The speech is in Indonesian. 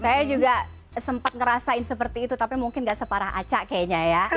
saya juga sempat ngerasain seperti itu tapi mungkin gak separah aca kayaknya ya